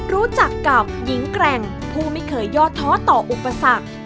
รู้จักกับหญิงแกร่งผู้ไม่เคยยอดท้อต่ออุปสรรค